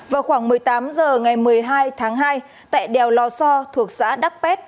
vào khoảng một mươi tám h ngày một mươi hai tháng hai tại đèo lò so thuộc xã đắc pét